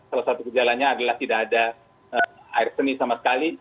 salah satu gejalanya adalah tidak ada air seni sama sekali